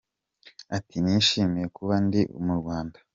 Ati “Nishimiye kuba ndi mu Rwanda.